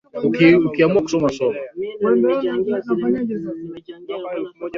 zimeanza kukumbwa na mwamko wa kutumia